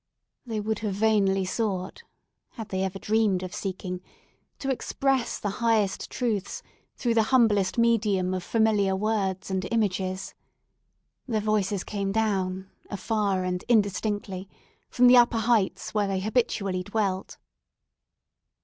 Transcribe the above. They would have vainly sought—had they ever dreamed of seeking—to express the highest truths through the humblest medium of familiar words and images. Their voices came down, afar and indistinctly, from the upper heights where they habitually dwelt.